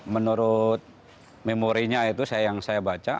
menurut memorinya itu yang saya baca